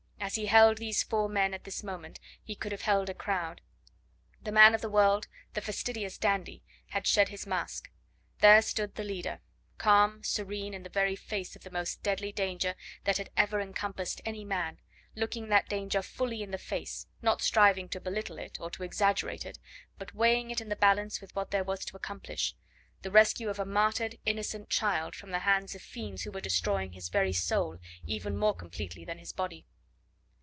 As he held these four men at this moment, he could have held a crowd. The man of the world the fastidious dandy had shed his mask; there stood the leader, calm, serene in the very face of the most deadly danger that had ever encompassed any man, looking that danger fully in the face, not striving to belittle it or to exaggerate it, but weighing it in the balance with what there was to accomplish: the rescue of a martyred, innocent child from the hands of fiends who were destroying his very soul even more completely than his body.